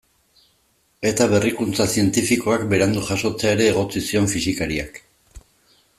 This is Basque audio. Eta berrikuntza zientifikoak berandu jasotzea ere egotzi zion fisikariak.